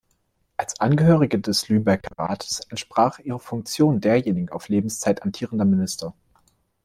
Als Angehörige des Lübecker Rats entsprach ihre Funktion derjenigen auf Lebenszeit amtierender Minister.